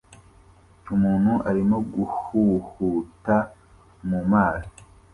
Umuntu arimo guhuhuta mu mazi